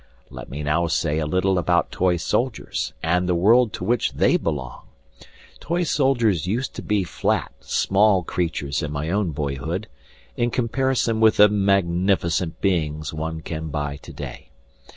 Let me now say a little about toy soldiers and the world to which they belong. Toy soldiers used to be flat, small creatures in my own boyhood, in comparison with the magnificent beings one can buy to day.